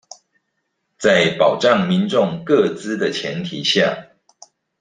在保障民眾個資的前提下